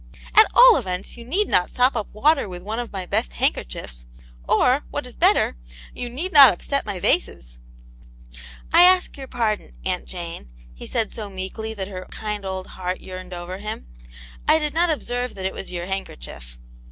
" At all events you need not sop up water with one of my best handkerchiefs ; or what is better, you need not upset my vases." 88 Aunt Jane's Hew. '* I ask your pardon, Aunt Jane," he said so meekly that her kind old heart yearned over him. " I did not observe that it was your handkerchief."